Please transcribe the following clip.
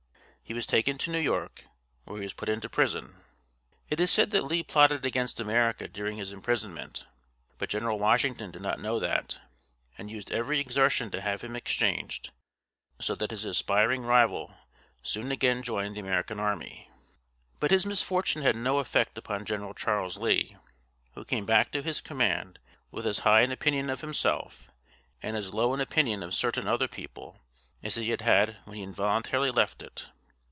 He was taken to New York, where he was put into prison. It is said that Lee plotted against America during his imprisonment; but General Washington did not know that, and used every exertion to have him exchanged, so that his aspiring rival soon again joined the American army. But his misfortune had no effect upon General Charles Lee, who came back to his command with as high an opinion of himself, and as low an opinion of certain other people, as he had had when he involuntarily left it.